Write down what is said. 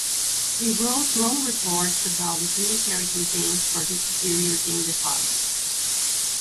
He wrote long reports about these military campaigns for his superiors in The Hague.